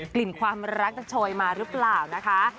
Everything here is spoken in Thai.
กลิ่นความรักถ้าช่วยมารึเปล่านะคะ